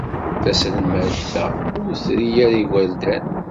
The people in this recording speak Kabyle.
Taselmadt-a ur tri ara igerdan.